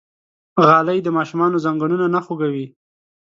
غالۍ د ماشومانو زنګونونه نه خوږوي.